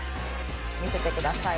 見せてください。